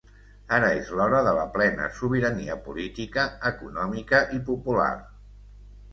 Ara és l’hora de la plena sobirania política, econòmica i popular.